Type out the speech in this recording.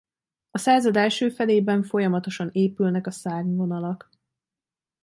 A század első felében folyamatosan épülnek a szárnyvonalak.